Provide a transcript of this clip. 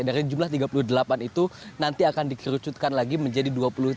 dari jumlah tiga puluh delapan itu nanti akan dikerucutkan lagi menjadi dua puluh tiga